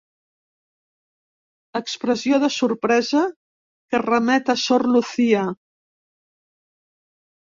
Expressió de sorpresa que remet a sor Lucía.